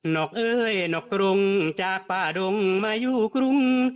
อกเอ้ยนอกกรุงจากป่าดงมาอยู่กรุง